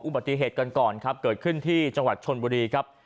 อุบัติเหตุกันก่อนครับเกิดขึ้นที่จังหวัดชนบุรีครับ